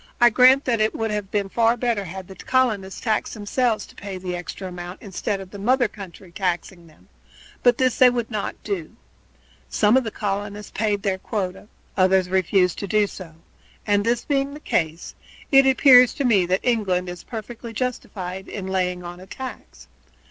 I grant that it would have been far better had the colonists taxed themselves to pay the extra amount, instead of the mother country taxing them; but this they would not do. Some of the colonists paid their quota, others refused to do so, and this being the case, it appears to me that England is perfectly justified in laying on a tax.